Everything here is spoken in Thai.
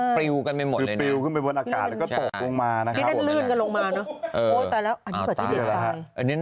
แต่ยังไม่ยกของตรงนี้โอ้โฮ